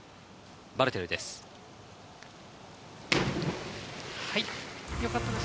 バルテルです。